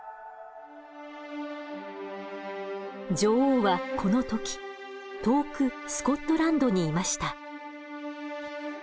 女王はこの時遠くスコットランドにいました。